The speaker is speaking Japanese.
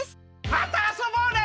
またあそぼうね！